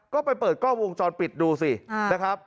ก็ไปเปิดกล้องวงจรปิดดูสินะครับ